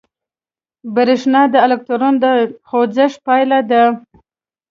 برېښنا د الکترون د خوځښت پایله ده.